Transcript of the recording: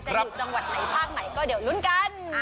อยู่จังหวัดไหนภาคไหนก็เดี๋ยวลุ้นกัน